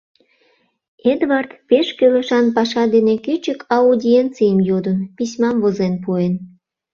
Эдвард, пеш кӱлешан паша дене кӱчык аудиенцийым йодын, письмам возен пуэн.